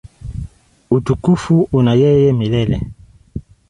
Utukufu una yeye milele.